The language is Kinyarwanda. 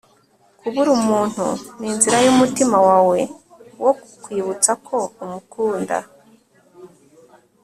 kubura umuntu ni inzira y'umutima wawe wo kukwibutsa ko umukunda